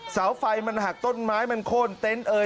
เสาไฟมันหักต้นไม้มันโค้นเต็นต์เอ่ย